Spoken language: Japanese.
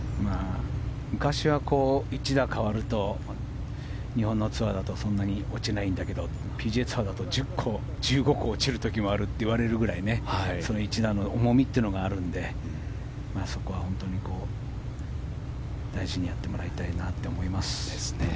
昔は１打変わると日本のツアーだとそんなに落ちないんだけどＰＧＡツアーだと１０個、１５個落ちる時もあるといわれるぐらいその１打の重みがあるのでそこは本当に、大事にやってもらいたいなと思います。